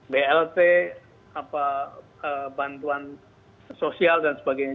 blt bantuan sosial dan sebagainya